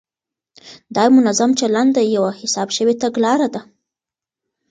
دا یو منظم چلند دی، یوه حساب شوې تګلاره ده،